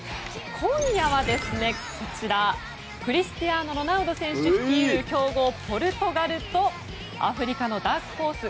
今夜はクリスティアーノ・ロナウド選手率いる強豪ポルトガルとアフリカのダークホース